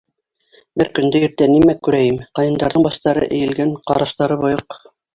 Бер көндө иртән нимә күрәйем: ҡайындарҙың баштары эйелгән, ҡараштары бойоҡ.